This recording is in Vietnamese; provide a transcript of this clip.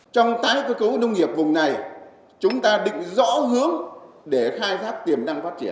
kinh tế nông nghiệp ở vùng này là có tiềm năng lợi thế